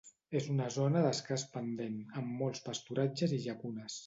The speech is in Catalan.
És una zona d'escàs pendent, amb molts pasturatges i llacunes.